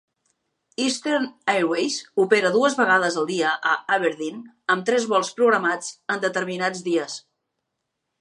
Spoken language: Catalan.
Eastern Airways opera dues vegades al dia a Aberdeen amb tres vols programats en determinats dies.